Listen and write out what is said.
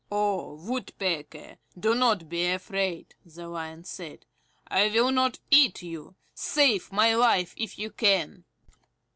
"O Woodpecker, do not be afraid," the Lion said. "I will not eat you. Save my life if you can!"